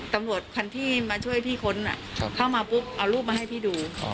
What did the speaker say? ตำรวจคันที่มาช่วยพี่ค้นเข้ามาปุ๊บเอารูปมาให้พี่ดู